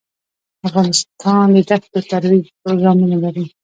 افغانستان د دښتو د ترویج پروګرامونه لري.